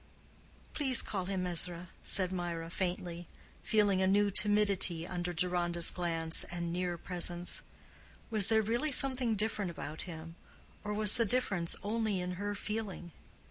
"Please call him Ezra," said Mirah, faintly, feeling a new timidity under Deronda's glance and near presence. Was there really something different about him, or was the difference only in her feeling?